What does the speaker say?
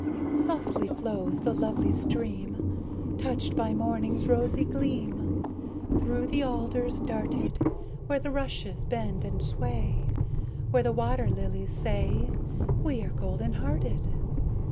Softly flows the lovely stream Touched by morning's rosy gleam Through the alders darted, Where the rushes bend and sway, Where the water lilies say "We are golden hearted!"